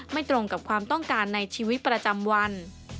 ตรงกับความต้องการในชีวิตประจำวัน